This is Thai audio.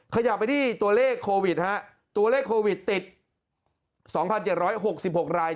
ขยับไปที่ตัวเลขโควิดฮะตัวเลขโควิดติด๒๗๖๖ราย